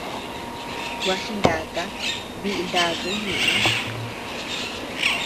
Gua jinaka biʼi ndakuu ñeʼe.